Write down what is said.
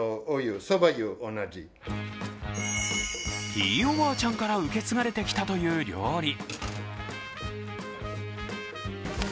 ひいおばあちゃんから受け継がれてきたという料理。